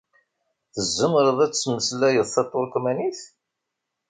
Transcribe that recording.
Tzemreḍ ad tmeslayeḍ taṭurkmanit?